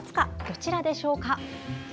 どちらでしょうか。